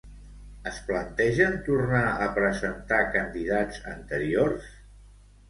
Es plantegen tornar a presentar candidats anteriors?